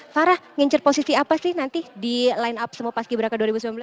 farah ngincir posisi apa sih nanti di line up semua paski braka dua ribu sembilan belas